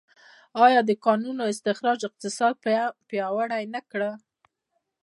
آیا د کانونو استخراج اقتصاد پیاوړی نه کړ؟